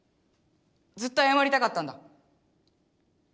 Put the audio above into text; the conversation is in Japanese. ずっとあやまりたかったんだ。